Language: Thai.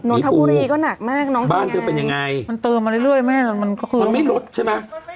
นนทบุรีก็หนักมากน้องบ้านเธอเป็นยังไงมันเติมมาเรื่อยแม่มันก็คือมันไม่ลดใช่ไหม